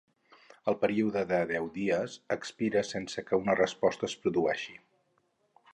El període de deu dies expira, sense que una resposta es produeixi.